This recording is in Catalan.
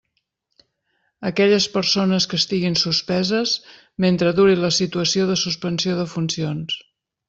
Aquelles persones que estiguin suspeses, mentre duri la situació de suspensió de funcions.